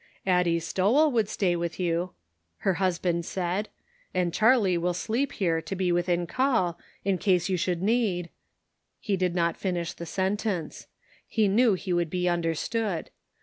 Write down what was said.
"Addie Stowell would stay with you," her husband said, " and Charley will sleep here to be within call, in case you should need —'' The Ends Meet. 337 He did not finish his sentence. He knew he would be understood.